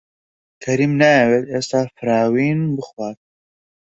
کەریم نایەوێت ئێستا فراوین بخوات.